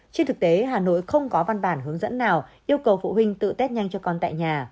trên thực tế hà nội không có văn bản hướng dẫn nào yêu cầu phụ huynh tự test nhanh cho con tại nhà